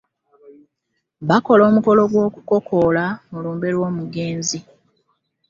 Bakola omukolo gw'okukokoola mu lumbe lw'omugenzi.